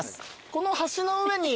この橋の上に。